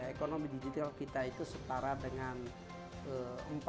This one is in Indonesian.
ekonomi digital kita itu setara dengan empat